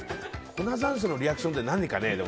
粉山椒のリアクションって何かね。